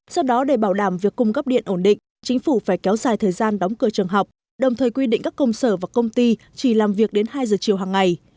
do đó để bảo đảm việc cung cấp điện ổn định chính phủ phải kéo dài thời gian đóng cửa trường học đồng thời quy định các công sở và công ty chỉ làm việc đến hai giờ chiều hàng ngày